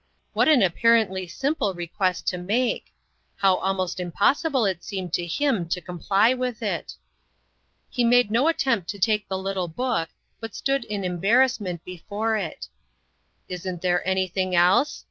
What an apparently simple request to make ! How almost impossible it seemed to him to com ply with it ! He made no attempt to take the little book, but stood in embarrassment before it. "Isn't there anything else?"